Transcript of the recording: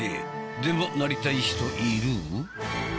でもなりたい人いる？